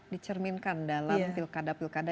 dicerminkan dalam pilkada pilkada